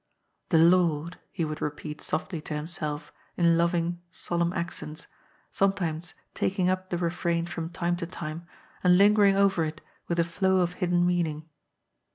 " The Lord," he would repeat softly to himself in loving, solemn accents, sometimes taking up the refrain from time to time and lingering over it with a flow of hidden meaning.